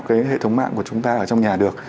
cái hệ thống mạng của chúng ta ở trong nhà được